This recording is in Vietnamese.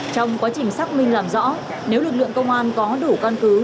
trong quá trình xác minh làm rõ nếu lực lượng công an có đủ căn cứ